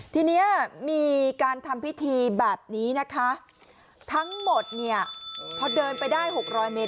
ทีนี้มีการทำพิธีแบบนี้นะคะทั้งหมดเนี่ยพอเดินไปได้๖๐๐เมตร